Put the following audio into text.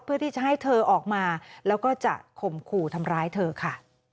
เพื่อที่จะให้เธอออกมาแล้วก็จะข่มขู่ทำร้ายเธอค่ะ